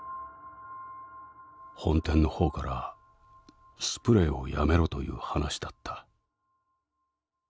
「本店の方からスプレーをやめろという話だった」。